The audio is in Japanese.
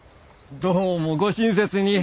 どうもご親切に。